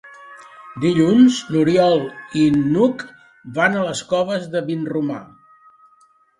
Dilluns n'Oriol i n'Hug van a les Coves de Vinromà.